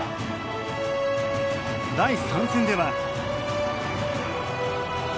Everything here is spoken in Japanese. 第３戦では。